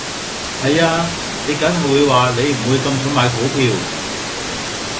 係呀，你緊係會話你唔會咁蠢買股票